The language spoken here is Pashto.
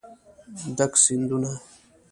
ډک سیندونه